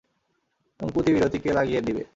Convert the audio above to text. এবং প্রতি বিরতিকে লাগিয়ে দিবে।